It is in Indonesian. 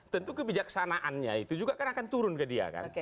tentu kebijaksanaannya itu juga kan akan turun ke dia kan